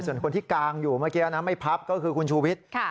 ส่วนคนที่กางอยู่เมื่อกี้นะไม่พับก็คือคุณชูวิทย์